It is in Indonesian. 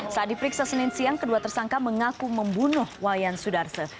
saat diperiksa senin siang kedua tersangka mengaku membunuh wayan sudarse